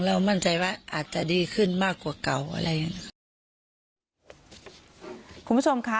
มั่นใจว่าอาจจะดีขึ้นมากกว่าเก่าอะไรอย่างเงี้นะคะคุณผู้ชมค่ะ